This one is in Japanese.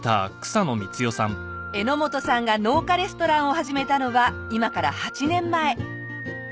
榎本さんが農家レストランを始めたのは今から８年前。